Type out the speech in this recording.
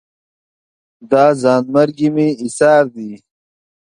دا ځان مرګي مې ایسار دي